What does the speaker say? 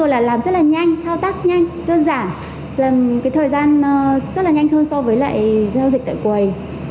làm rất là nhanh thao tác nhanh đơn giản thời gian rất là nhanh hơn so với giao dịch tại quầy